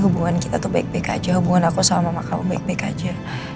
hubungan kita tuh baik baik aja hubungan aku sama kamu baik baik aja